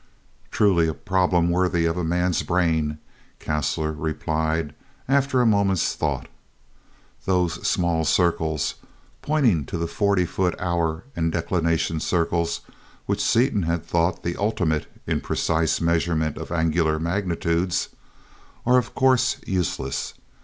"Truly, a problem worthy of any man's brain," Caslor replied after a moment's thought. "Those small circles," pointing to the forty foot hour and declination circles which Seaton had thought the ultimate in precise measurement of angular magnitudes, "are of course useless.